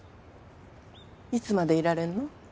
いつまでいられるの？